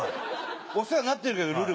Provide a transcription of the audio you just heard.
お世話になってるけど『るるぶ』。